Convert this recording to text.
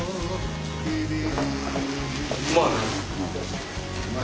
うまいね。